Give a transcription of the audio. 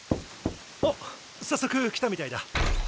・おっ早速来たみたいだ。